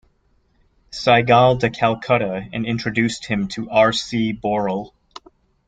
Saigal to Calcutta and introduced him to R. C. Boral.